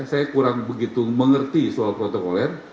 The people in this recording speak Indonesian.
saya kurang begitu mengerti soal protokoler